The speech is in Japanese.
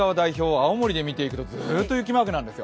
青森で見ていくとずっと雪マークなんですよ。